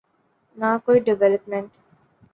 نہ کوئی ڈویلپمنٹ۔